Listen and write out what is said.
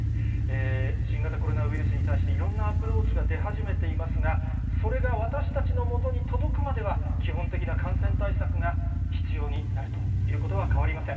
新型コロナウイルスに対して、いろんなアプローチが出始めていますが、それが私たちのもとに届くまでは、基本的な感染対策が必要になるということは変わりません。